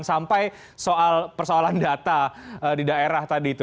sampai soal persoalan data di daerah tadi itu